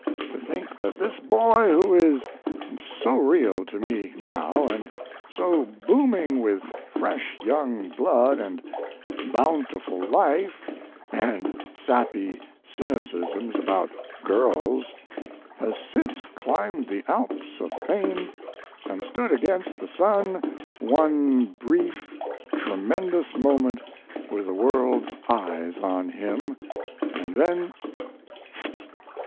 to think that this boy, who is so real to me now, and so booming with fresh young blood and bountiful life, and sappy cynicisms about girls, has since climbed the Alps of fame and stood against the sun one brief, tremendous moment with the world's eyes on him, and then fzt!